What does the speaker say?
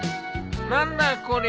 何だこりゃ。